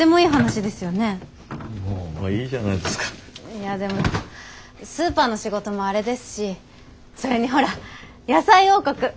いやでもスーパーの仕事もあれですしそれにほら野菜王国！